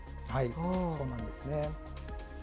そうなんですね。